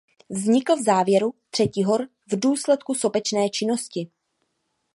Vznikl v závěru třetihor v důsledku sopečné činnosti.